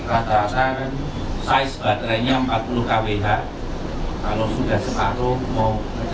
atas atas kan size baterainya empat puluh kwh kalau sudah separuh mau dekat dua puluh kwh